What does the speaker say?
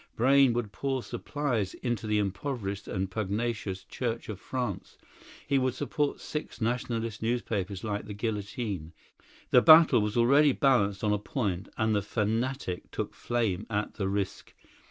Brayne would pour supplies into the impoverished and pugnacious Church of France; he would support six Nationalist newspapers like The Guillotine. The battle was already balanced on a point, and the fanatic took flame at the risk.